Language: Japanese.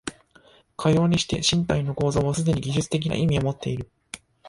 かようにして身体の構造はすでに技術的な意味をもっている。